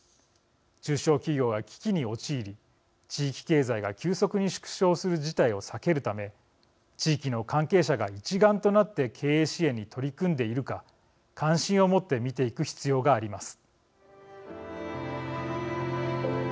中小企業が危機に陥り地域経済が急速に縮小する事態を避けるため地域の関係者が一丸となって経営支援に取り組んでいるか関心をもって見ていく必要があります。